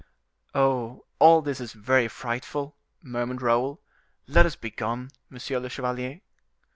"Oh! all this is very frightful!" murmured Raoul: "let us begone, monsieur le chevalier."